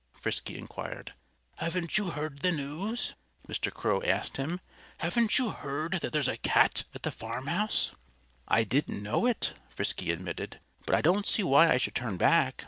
Frisky inquired. "Haven't you heard the news?" Mr. Crow asked him. "Haven't you heard that there's a cat at the farmhouse?" "I didn't know it," Frisky admitted. "But I don't see why I should turn back.